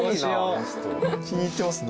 気に入っていますね。